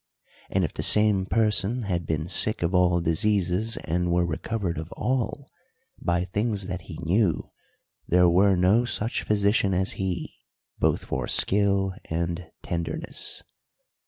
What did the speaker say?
And if the same person had been sick of all diseases, and were recovered of all, by things that he knew, there were no such physician as he. both for skill and tenderness.